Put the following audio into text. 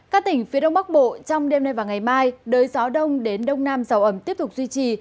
các tỉnh phía đông bắc bộ trong đêm nay và ngày mai đới gió đông đến đông nam dầu ẩm tiếp tục duy trì